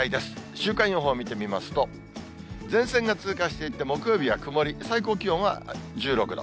週間予報見てみますと、前線が通過していって、木曜日は曇り、最高気温は１６度。